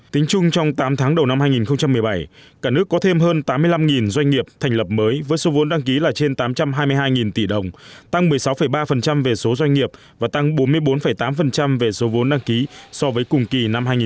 tính chung trong tám tháng đầu năm hai nghìn một mươi bảy cả nước có thêm hơn tám mươi năm doanh nghiệp thành lập mới với số vốn đăng ký là trên tám trăm hai mươi hai tỷ đồng tăng một mươi sáu ba về số doanh nghiệp và tăng bốn mươi bốn tám về số vốn đăng ký